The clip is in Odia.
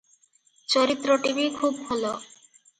ଚରିତ୍ରଟି ବି ଖୁବ୍ ଭଲ ।